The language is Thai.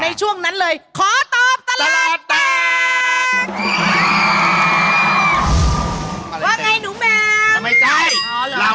ในช่วงนั้นเลยขอตอบตลอดแตก